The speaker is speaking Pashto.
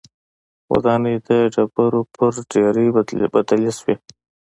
ودانۍ د ډبرو پر ډېرۍ بدلې شوې